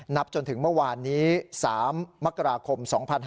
จนถึงเมื่อวานนี้๓มกราคม๒๕๕๙